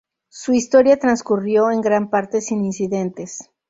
Su historia transcurrió en gran parte sin incidentes.